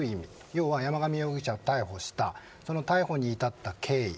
要は山上容疑者を逮捕したその逮捕に至った経緯。